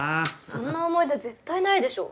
そんな思い出絶対ないでしょ。